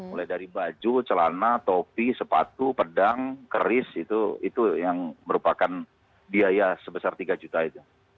mulai dari baju celana topi sepatu pedang keris itu yang merupakan biaya sebesar tiga juta itu